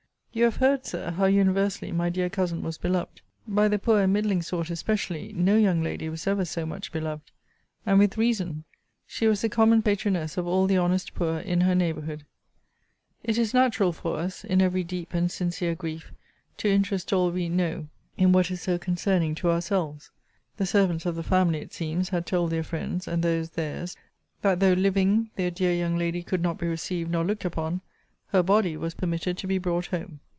You have heard, Sir, how universally my dear cousin was beloved. By the poor and middling sort especially, no young lady was ever so much beloved. And with reason: she was the common patroness of all the honest poor in her neighbourhood. It is natural for us, in every deep and sincere grief, to interest all we know in what is so concerning to ourselves. The servants of the family, it seems, had told their friends, and those their's, that though, living, their dear young lady could not be received nor looked upon, her body was permitted to be brought home.